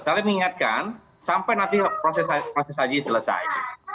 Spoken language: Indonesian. sama sama mengingatkan sampai nanti proses haji selesai